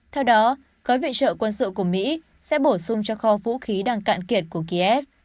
theo đó gói viện trợ quân sự của mỹ sẽ bổ sung cho kho vũ khí đang cạn kiệt của kiev